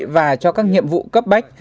và cho các nhiệm vụ cấp bách